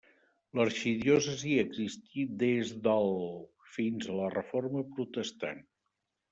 L'arxidiòcesi existí des del fins a la reforma protestant.